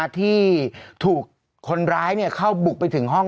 ที่ถูกคนร้ายเข้าบุกไปถึงห้อง